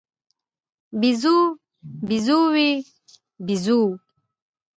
بیزو، بیزووې، بیزوو